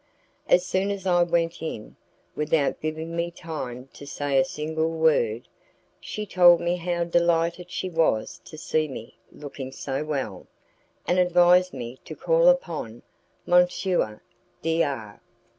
As soon as I went in, without giving me time to say a single word, she told me how delighted she was to see me looking so well, and advised me to call upon M. D R